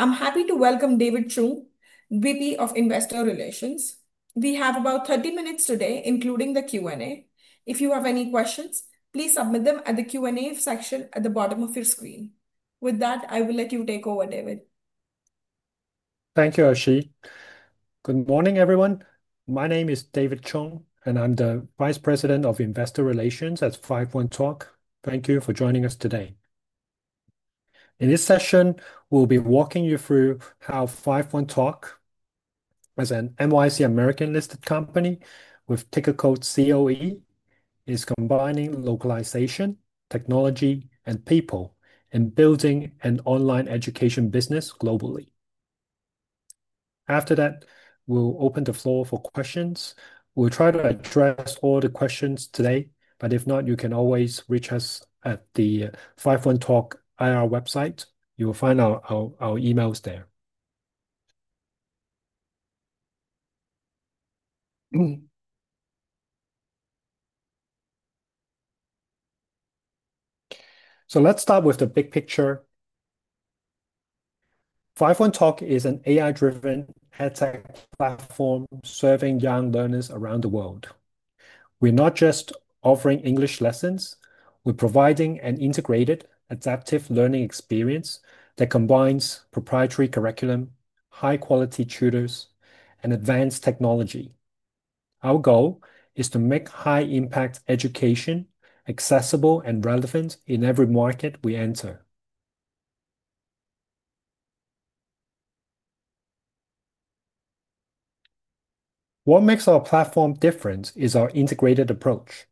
I'm happy to welcome David Chung, VP of Investor Relations. We have about 30 minutes today, including the Q&A. If you have any questions, please submit them at the Q&A section at the bottom of your screen. With that, I will let you take over, David. Thank you, Arshit. Good morning, everyone. My name is David Chung, and I'm the Vice President of Investor Relations at 51Talk. Thank you for joining us today. In this session, we'll be walking you through how 51Talk, as a NYSE American listed company with ticker code COE, is combining localization, technology, and people in building an online education business globally. After that, we'll open the floor for questions. We'll try to address all the questions today, but if not, you can always reach us at the 51Talk IR website. You will find our emails there. Let's start with the big picture. 51Talk is an AI-driven edtech platform serving young learners around the world. We're not just offering English lessons; we're providing an integrated, adaptive learning experience that combines proprietary curriculum, high-quality tutors, and advanced technology. Our goal is to make high-impact education accessible and relevant in every market we enter. What makes our platform different is our integrated approach.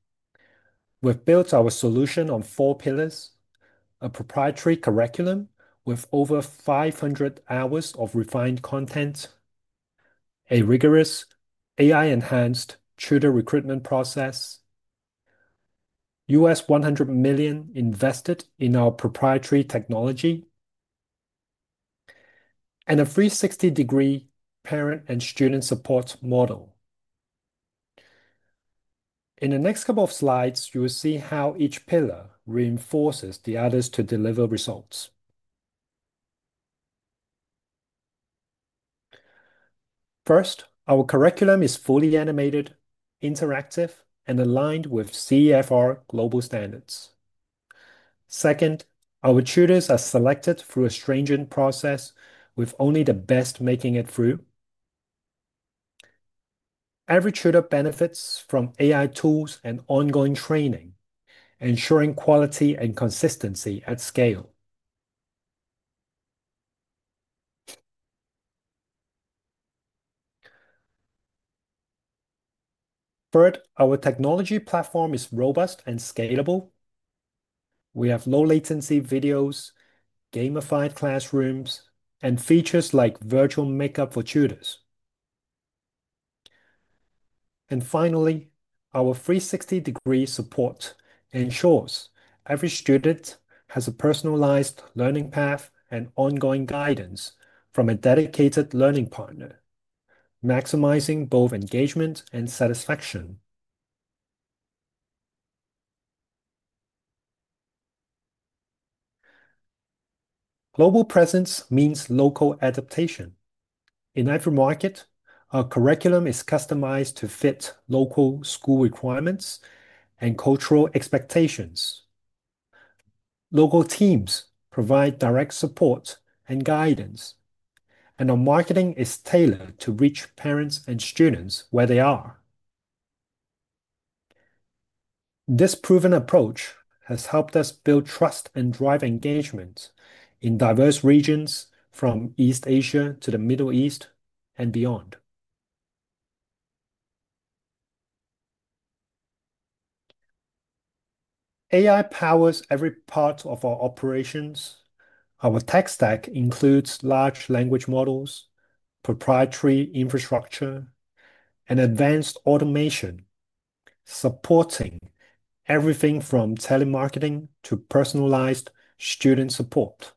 We've built our solution on four pillars: a proprietary curriculum with over 500 hours of refined content, a rigorous AI-enhanced tutor recruitment process, $100 million invested in our proprietary technology, and a 360-degree parent and student support model. In the next couple of slides, you will see how each pillar reinforces the others to deliver results. First, our curriculum is fully animated, interactive, and aligned with CEFR global standards. Second, our tutors are selected through a stringent process, with only the best making it through. Every tutor benefits from AI tools and ongoing training, ensuring quality and consistency at scale. Third, our technology platform is robust and scalable. We have low-latency video, gamified classrooms, and features like virtual makeup for tutors. Finally, our 360-degree support ensures every student has a personalized learning path and ongoing guidance from a dedicated learning partner, maximizing both engagement and satisfaction. Global presence means local adaptation. In every market, our curriculum is customized to fit local school requirements and cultural expectations. Local teams provide direct support and guidance, and our marketing is tailored to reach parents and students where they are. This proven approach has helped us build trust and drive engagement in diverse regions from East Asia to the Middle East and beyond. AI powers every part of our operations. Our tech stack includes Large Language Models, Proprietary Infrastructure, and Advanced Automation, supporting everything from telemarketing to personalized student support.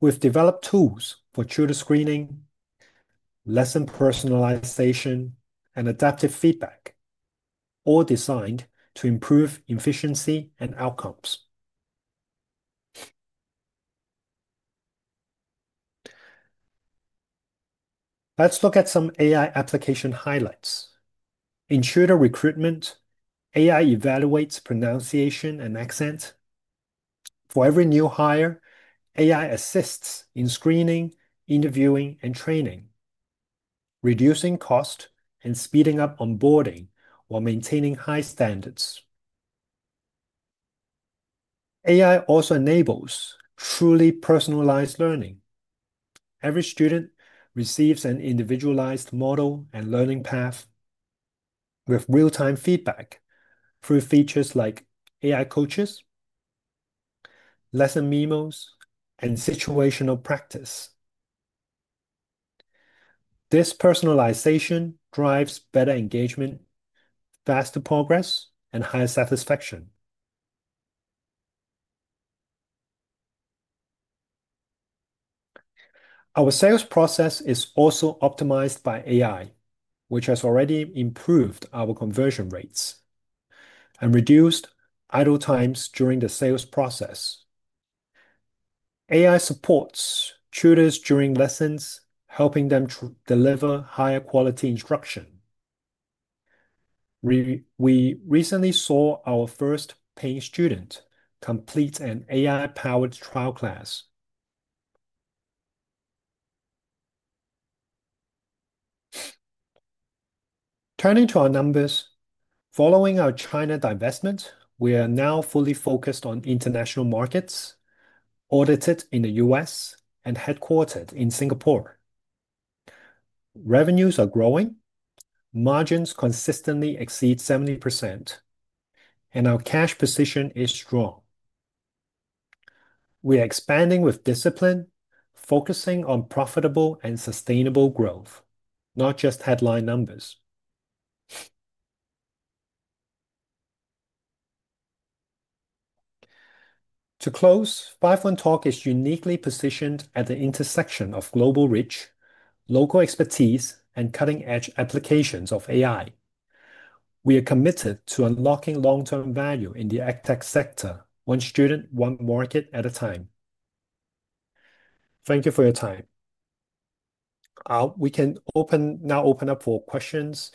We've developed tools for tutor screening, lesson personalization, and adaptive feedback, all designed to improve efficiency and outcomes. Let's look at some AI application highlights. In tutor recruitment, AI evaluates pronunciation and accent. For every new hire, AI assists in screening, interviewing, and training, reducing cost and speeding up onboarding while maintaining high standards. AI also enables truly personalized learning. Every student receives an individualized model and learning path with real-time feedback through features like AI coaches, lesson memos, and situational practice. This personalization drives better engagement, faster progress, and higher satisfaction. Our sales process is also optimized by AI, which has already improved our conversion rates and reduced idle times during the sales process. AI supports tutors during lessons, helping them deliver higher quality instruction. We recently saw our first paying student complete an AI-powered trial class. Turning to our numbers, following our China divestment, we are now fully focused on international markets, audited in the U.S. and headquartered in Singapore. Revenues are growing, margins consistently exceed 70%, and our cash position is strong. We are expanding with discipline, focusing on profitable and sustainable growth, not just headline numbers. To close, 51Talk is uniquely positioned at the intersection of global reach, local expertise, and cutting-edge applications of AI. We are committed to unlocking long-term value in the edtech sector, one student, one market at a time. Thank you for your time. We can now open up for questions.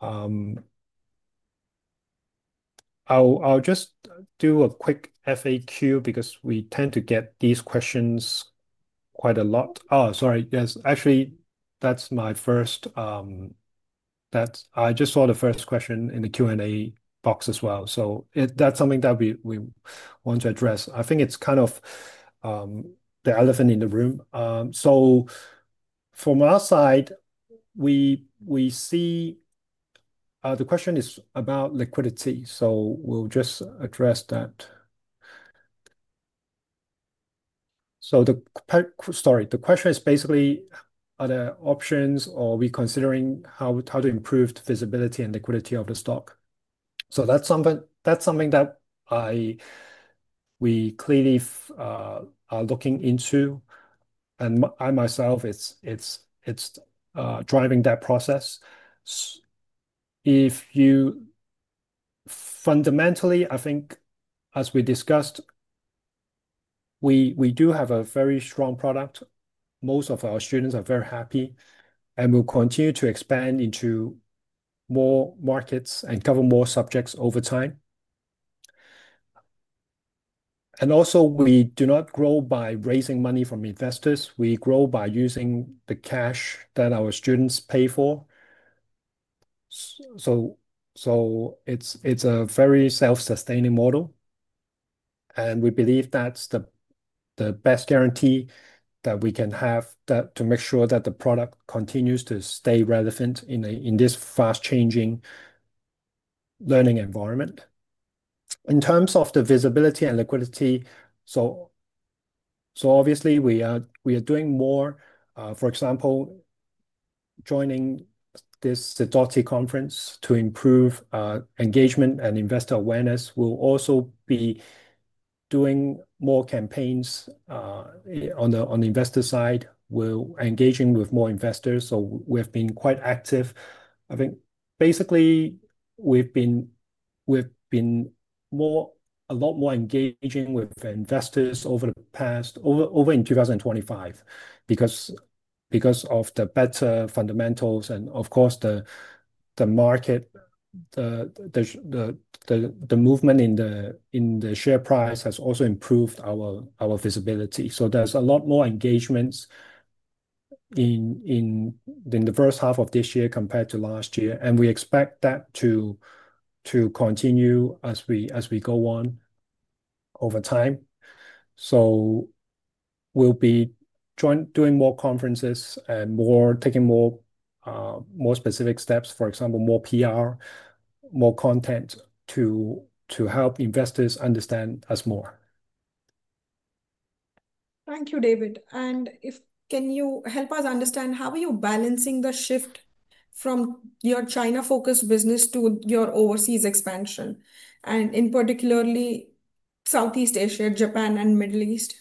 I'll just do a quick FAQ because we tend to get these questions quite a lot. Actually, that's my first. I just saw the first question in the Q&A box as well. That's something that we want to address. I think it's kind of the elephant in the room. From our side, we see the question is about liquidity. We'll just address that. The question is basically, are there options or are we considering how to improve the visibility and liquidity of the stock? That's something that we clearly are looking into. I myself, it's driving that process. If you fundamentally, I think as we discussed, we do have a very strong product. Most of our students are very happy, and we'll continue to expand into more markets and cover more subjects over time. We do not grow by raising money from investors. We grow by using the cash that our students pay for. It's a very self-sustaining model. We believe that's the best guarantee that we can have to make sure that the product continues to stay relevant in this fast-changing learning environment. In terms of the visibility and liquidity, obviously, we are doing more. For example, joining this [Siddharthi] conference to improve engagement and investor awareness. We'll also be doing more campaigns on the investor side. We're engaging with more investors. We've been quite active. I think basically, we've been a lot more engaging with investors over the past, over in 2025, because of the better fundamentals. The movement in the share price has also improved our visibility. There's a lot more engagement in the first-half of this year compared to last year. We expect that to continue as we go on over time. We'll be doing more conferences and taking more specific steps, for example, more PR, more content to help investors understand us more. Thank you, David. If you can help us understand, how are you balancing the shift from your China-focused business to your overseas expansion, particularly Southeast Asia, Japan, and the Middle East?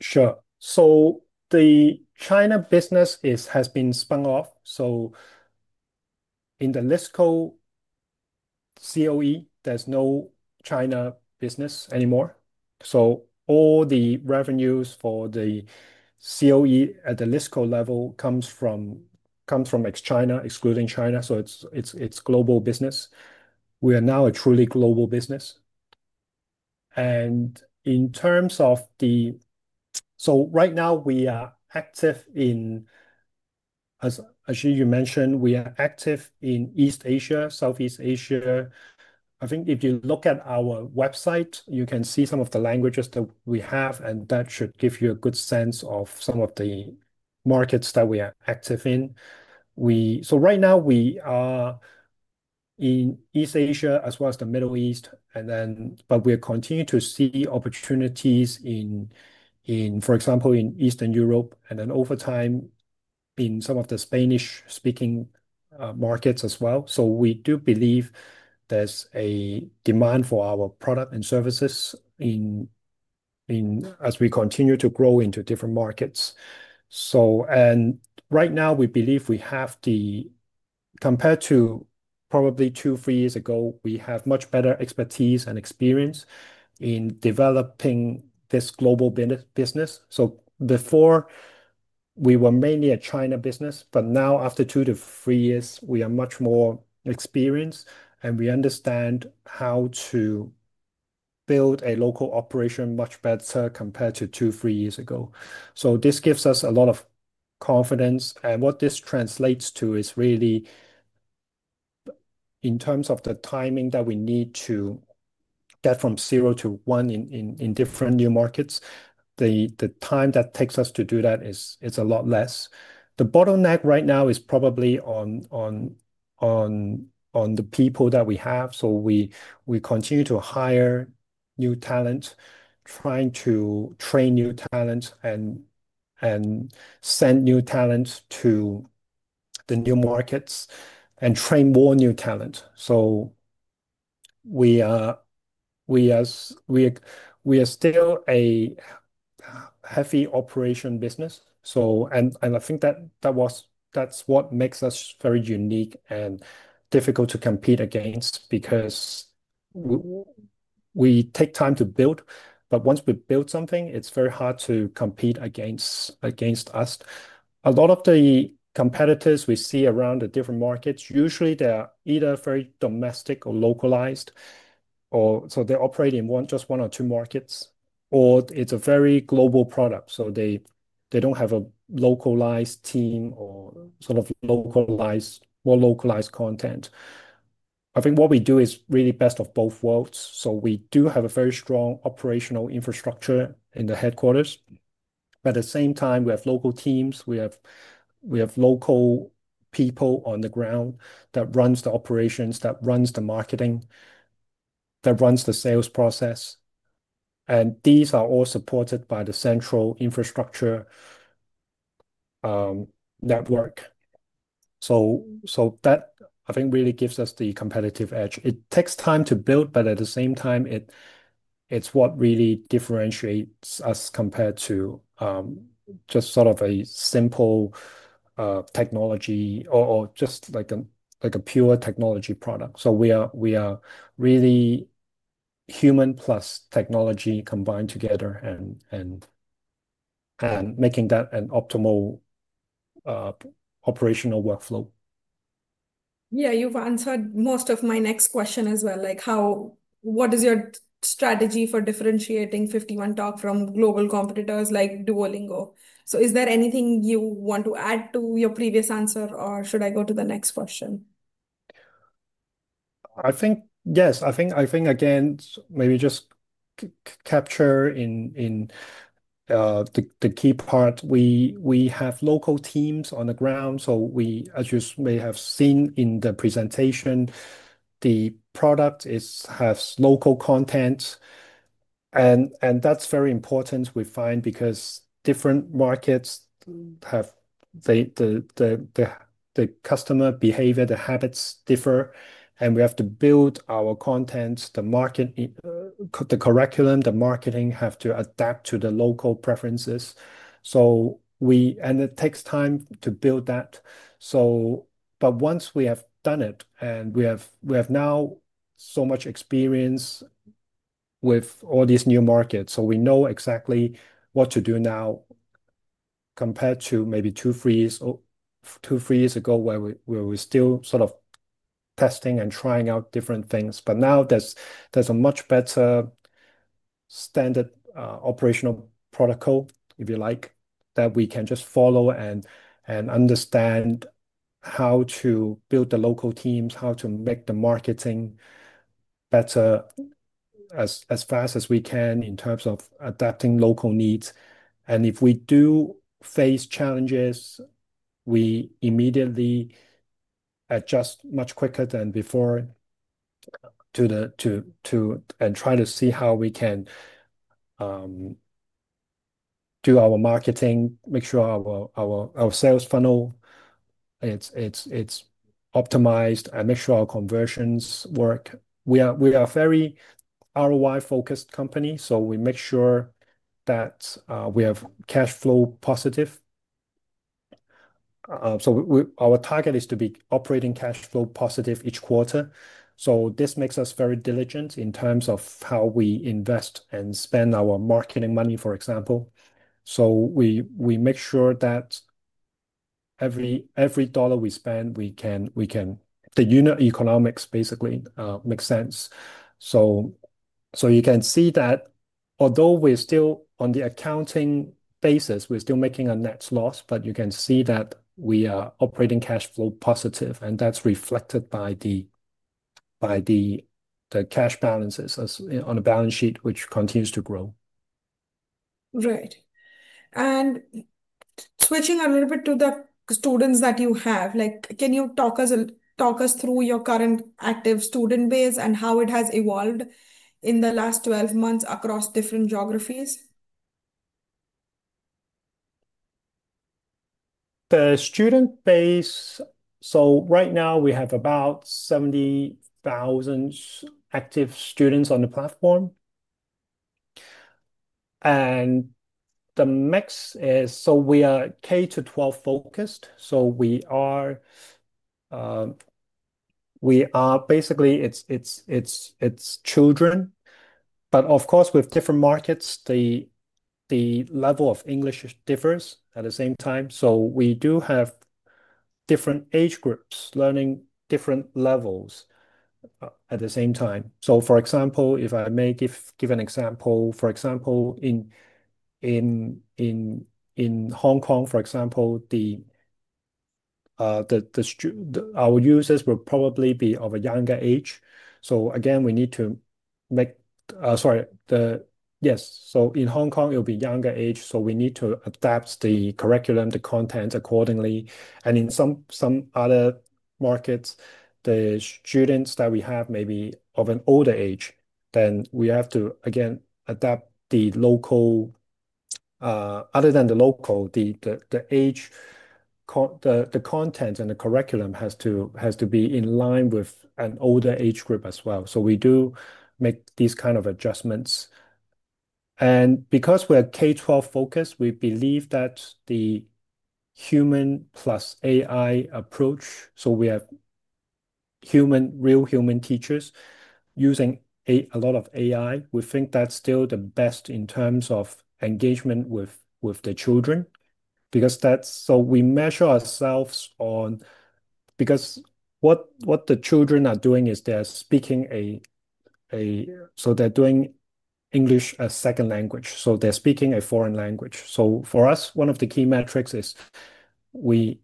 Sure. The China business has been spun off. In the list code COE, there's no China business anymore. All the revenues for the COE at the list code level come from outside China, so it's global business. We are now a truly global business. Right now, we are active in, as you mentioned, East Asia and Southeast Asia. If you look at our website, you can see some of the languages that we have, and that should give you a good sense of some of the markets that we are active in. Right now, we are in East Asia as well as the Middle East. We will continue to see opportunities in, for example, Eastern Europe, and over time in some of the Spanish-speaking markets as well. We do believe there's a demand for our product and services as we continue to grow into different markets. Right now, we believe we have, compared to probably two or three years ago, much better expertise and experience in developing this global business. Before, we were mainly a China business, but now, after two to three years, we are much more experienced, and we understand how to build a local operation much better compared to two or three years ago. This gives us a lot of confidence. What this translates to is really, in terms of the timing that we need to get from zero to one in different new markets, the time that takes us to do that is a lot less. The bottleneck right now is probably on the people that we have. We continue to hire new talent, trying to train new talent and send new talent to the new markets and train more new talent. We are still a heavy operation business. I think that's what makes us very unique and difficult to compete against because we take time to build. Once we build something, it's very hard to compete against us. A lot of the competitors we see around the different markets, usually, they're either very domestic or localized, or they operate in just one or two markets, or it's a very global product. They don't have a localized team or more localized content. I think what we do is really best of both worlds. We have a very strong operational infrastructure in the headquarters. At the same time, we have local teams. We have local people on the ground that run the operations, that run the marketing, that run the sales process. These are all supported by the central infrastructure network. I think that really gives us the competitive edge. It takes time to build, but at the same time, it's what really differentiates us compared to just sort of a simple technology or just like a pure technology product. We are really human plus technology combined together and making that an optimal operational workflow. Yeah, you've answered most of my next question as well. Like how, what is your strategy for differentiating 51Talk from global competitors like Duolingo? Is there anything you want to add to your previous answer, or should I go to the next question? I think, yes. I think, again, maybe just to capture in the key part. We have local teams on the ground. As you may have seen in the presentation, the product has local content. That's very important, we find, because different markets have the customer behavior, the habits differ. We have to build our content. The market, the curriculum, the marketing have to adapt to the local preferences. It takes time to build that. Once we have done it, and we have now so much experience with all these new markets, we know exactly what to do now compared to maybe two, three years ago, where we were still sort of testing and trying out different things. Now there's a much better standard operational protocol, if you like, that we can just follow and understand how to build the local teams, how to make the marketing better as fast as we can in terms of adapting local needs. If we do face challenges, we immediately adjust much quicker than before and try to see how we can do our marketing, make sure our sales funnel is optimized, and make sure our conversions work. We are a very ROI-focused company, so we make sure that we have cash flow positive. Our target is to be operating cash flow positive each quarter. This makes us very diligent in terms of how we invest and spend our marketing money, for example. We make sure that every dollar we spend, the unit economics basically make sense. You can see that although we're still on the accounting basis, we're still making a net loss, you can see that we are operating cash flow positive, and that's reflected by the cash balances on the balance sheet, which continues to grow. Right. Switching a little bit to the students that you have, can you talk us through your current active student base and how it has evolved in the last 12 months across different geographies? The student base, right now we have about 70,000 active students on the platform. The mix is, we are K-12 focused. We are basically, it's children. Of course, with different markets, the level of English differs at the same time. We do have different age groups learning different levels at the same time. For example, in Hong Kong, our users will probably be of a younger age. In Hong Kong, it will be younger age, so we need to adapt the curriculum, the content accordingly. In some other markets, the students that we have may be of an older age. We have to adapt the local, other than the local, the age, the content and the curriculum has to be in line with an older age group as well. We do make these kinds of adjustments. Because we are K-12 focused, we believe that the human plus AI approach, we have human, real human teachers using a lot of AI. We think that's still the best in terms of engagement with the children. We measure ourselves on, because what the children are doing is they're speaking a, they're doing English as a second language. They're speaking a foreign language. For us, one of the key metrics is we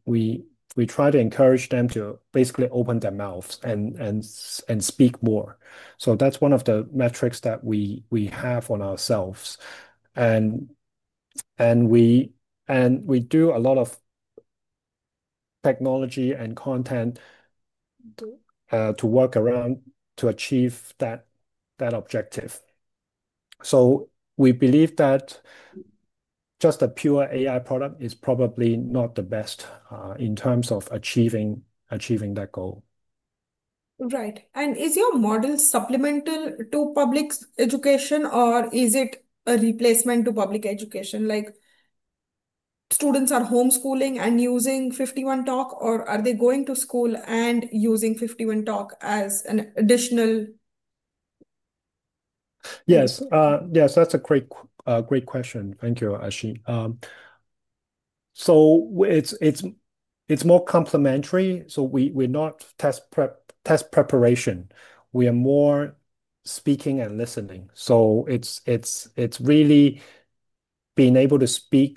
try to encourage them to basically open their mouths and speak more. That's one of the metrics that we have on ourselves. We do a lot of technology and content to work around to achieve that objective. We believe that just a pure AI product is probably not the best in terms of achieving that goal. Right. Is your model supplemental to public education, or is it a replacement to public education? Like, students are homeschooling and using 51Talk, or are they going to school and using 51Talk as an additional? Yes, that's a great question. Thank you, Arshit. It's more complementary. We're not test preparation. We are more speaking and listening. It's really being able to speak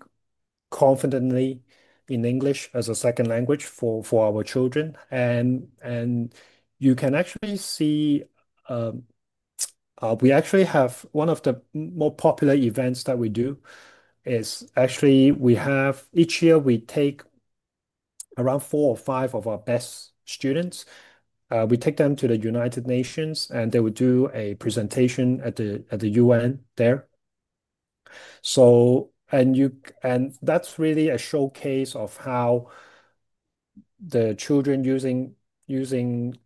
confidently in English as a second language for our children. You can actually see, we actually have one of the more popular events that we do. Each year, we take around four or five of our best students. We take them to the United Nations, and they will do a presentation at the UN there. That's really a showcase of how the children, using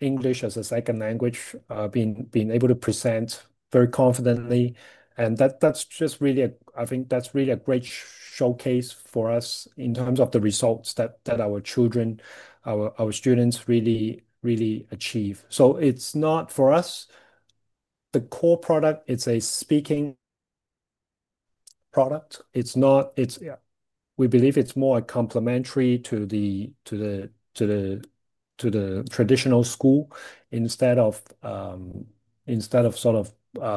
English as a second language, are able to present very confidently. That's just really, I think that's really a great showcase for us in terms of the results that our children, our students really, really achieve. For us, the core product is a speaking product. We believe it's more complementary to the traditional school instead of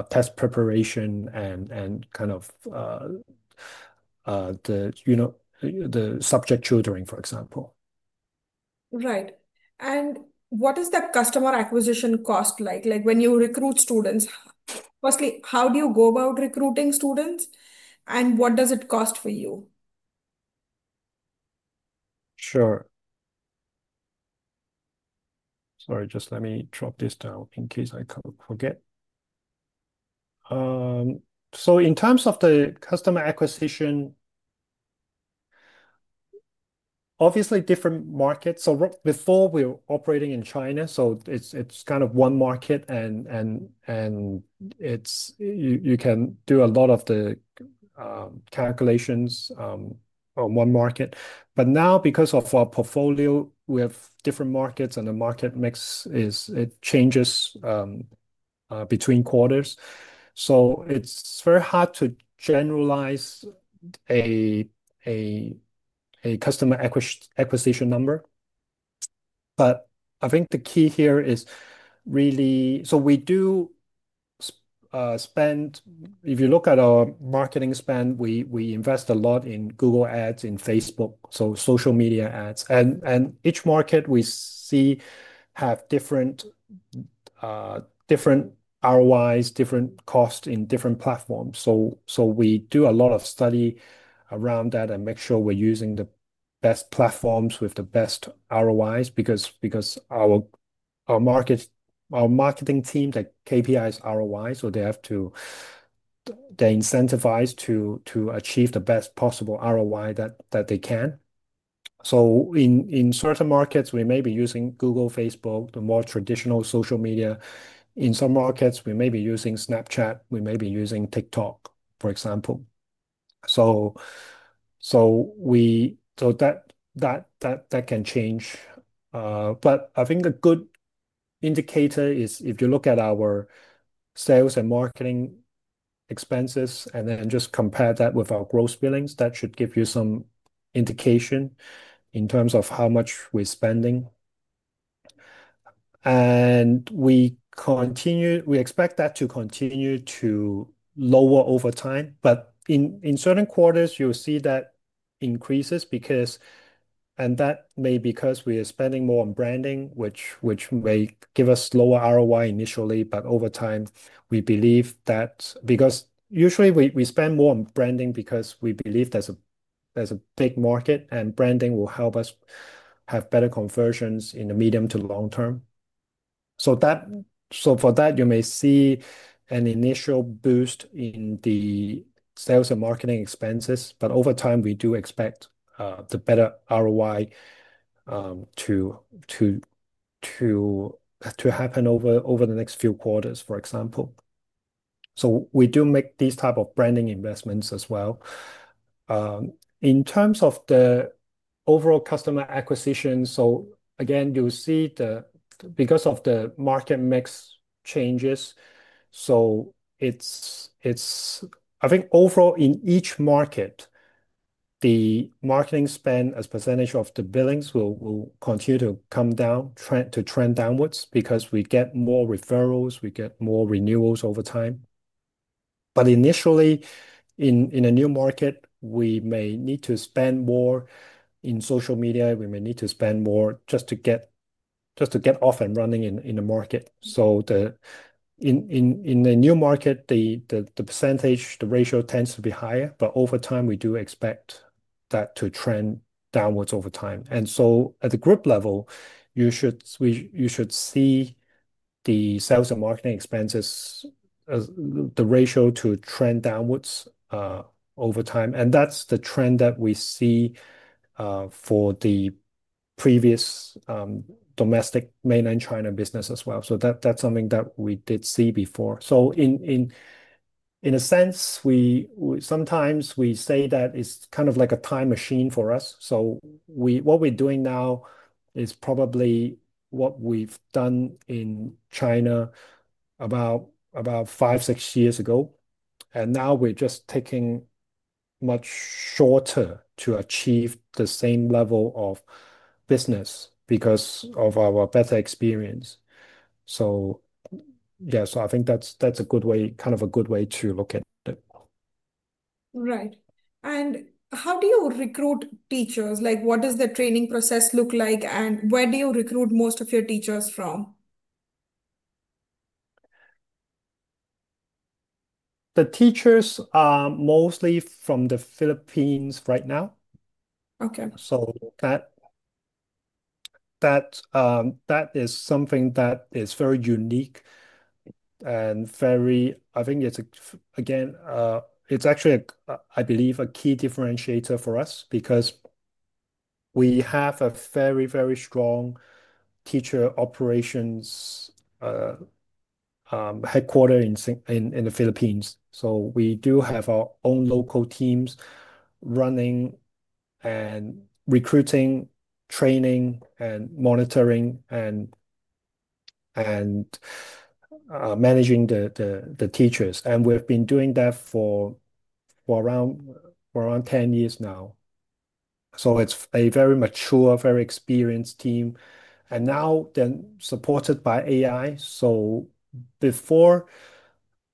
test preparation and kind of the subject tutoring, for example. Right. What is the customer acquisition cost like? When you recruit students, firstly, how do you go about recruiting students, and what does it cost for you? Sure. Sorry, just let me drop this down in case I forget. In terms of the customer acquisition, obviously, different markets. Before, we were operating in China, so it's kind of one market, and you can do a lot of the calculations on one market. Now, because of our portfolio, we have different markets, and the market mix changes between quarters. It's very hard to generalize a customer acquisition number. I think the key here is really, we do spend, if you look at our marketing spend, we invest a lot in Google Ads, in Facebook, so social media ads. Each market we see has different ROIs, different costs in different platforms. We do a lot of study around that and make sure we're using the best platforms with the best ROIs because our marketing team's KPI is ROI, so they're incentivized to achieve the best possible ROI that they can. In certain markets, we may be using Google, Facebook, the more traditional social media. In some markets, we may be using Snapchat, we may be using TikTok, for example. That can change. I think a good indicator is if you look at our sales and marketing expenses and then just compare that with our gross billings, that should give you some indication in terms of how much we're spending. We expect that to continue to lower over time. In certain quarters, you'll see that increases because that may be because we are spending more on branding, which may give us lower ROI initially. Over time, we believe that because usually, we spend more on branding because we believe there's a big market, and branding will help us have better conversions in the medium to long-term. For that, you may see an initial boost in the sales and marketing expenses. Over time, we do expect the better ROI to happen over the next few quarters, for example. We do make these types of branding investments as well. In terms of the overall customer acquisition, again, you'll see the, because of the market mix changes, I think overall in each market, the marketing spend as a percentage of the billings will continue to come down, to trend downwards because we get more referrals, we get more renewals over time. Initially, in a new market, we may need to spend more in social media, we may need to spend more just to get off and running in the market. In the new market, the percentage, the ratio tends to be higher. Over time, we do expect that to trend downwards over time. At the group level, you should see the sales and marketing expenses, the ratio, trend downwards over time. That is the trend that we see for the previous domestic mainland China business as well. That is something that we did see before. In a sense, sometimes we say that it's kind of like a time machine for us. What we're doing now is probably what we've done in China about five or six years ago. Now we're just taking much shorter to achieve the same level of business because of our better experience. I think that's a good way, kind of a good way to look at it. Right. How do you recruit teachers? What does the training process look like, and where do you recruit most of your teachers from? The teachers are mostly from the Philippines right now. That is something that is very unique and very, I think it's, again, it's actually, I believe, a key differentiator for us because we have a very, very strong teacher operations headquarter in the Philippines. We do have our own local teams running and recruiting, training, monitoring, and managing the teachers. We've been doing that for around 10 years now. It's a very mature, very experienced team. Now they're supported by AI. Before,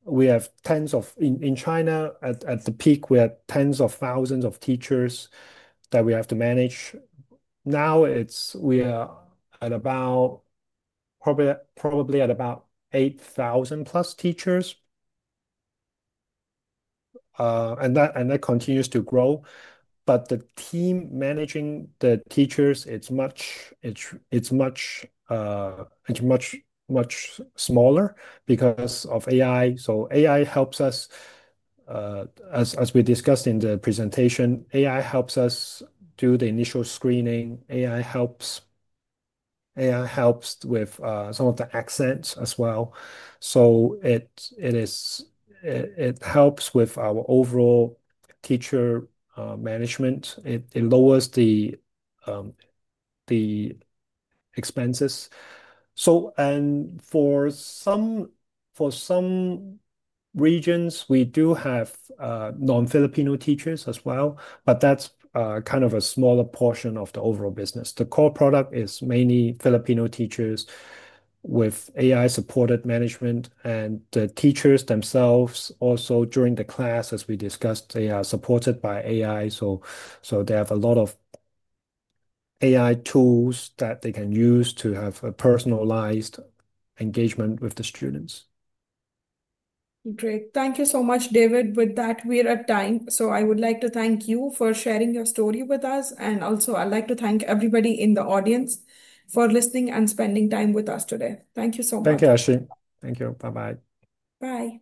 we have tens of, in China, at the peak, we had tens of thousands of teachers that we have to manage. Now we are at about probably at about 8,000+ teachers, and that continues to grow. The team managing the teachers is much, much smaller because of AI. AI helps us, as we discussed in the presentation, do the initial screening. AI helps with some of the accents as well. It helps with our overall teacher management. It lowers the expenses. For some regions, we do have non-Filipino teachers as well, but that's kind of a smaller portion of the overall business. The core product is mainly Filipino teachers with AI-supported management. The teachers themselves, also during the class, as we discussed, are supported by AI. They have a lot of AI tools that they can use to have a personalized engagement with the students. Great. Thank you so much, David. With that, we're at time. I would like to thank you for sharing your story with us. I would also like to thank everybody in the audience for listening and spending time with us today. Thank you so much. Thank you, Arshit. Thank you. Bye-bye. Bye.